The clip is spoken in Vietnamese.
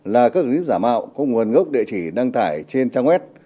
là các clip giả mạo có nguồn gốc địa chỉ đăng tải trên trang web